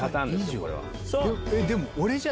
これは。